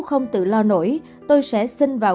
không tự lo nổi tôi sẽ sinh vào